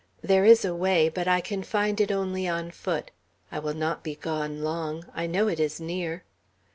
There is a way, but I can find it only on foot. I will not be gone long. I know it is near."